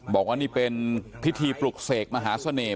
บอกว่านี่เป็นพิธีปลุกเสกมหาเสน่ห